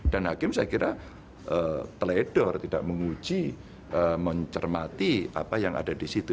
dan hakim saya kira teledor tidak menguji mencermati apa yang ada di situ